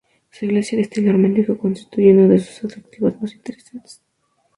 Su iglesia de estilo románico constituye uno de sus atractivos más interesantes.